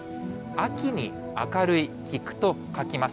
秋に明るい菊と書きます。